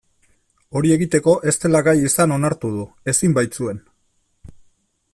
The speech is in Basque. Hori egiteko ez zela gai izan onartu du, ezin baitzuen.